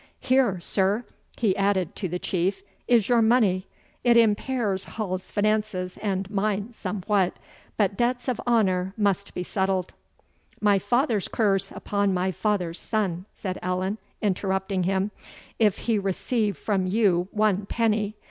Here, sir," he added to the Chief, "is your money; it impairs Hall's finances and mine somewhat, but debts of honour must be settled." "My father's curse upon my father's son," said Allan, interrupting him, "if he receive from you one penny!